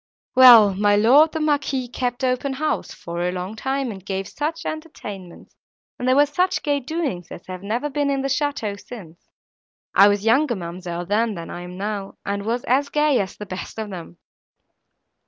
Well! my lord the Marquis kept open house, for a long time, and gave such entertainments and there were such gay doings as have never been in the château since. I was younger, ma'amselle, then, than I am now, and was as gay at the best of them.